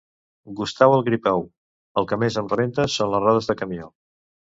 Gustau el Gripau: el que més em rebenta són les rodes de camió